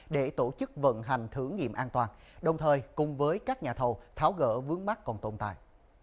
để tổ chức vận hành thử nghiệm an toàn đồng thời cùng với các nhà thầu tháo gỡ vướng mắt còn tồn tại